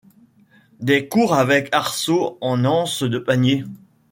Des cours avec arceaux en anses de panier